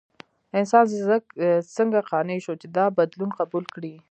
انسان څنګه قانع شو چې دا بدلون قبول کړي؟